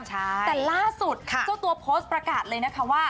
แต่ล่าสุดเจ้าตัวโพสต์ประกาศเลยนะคะว่า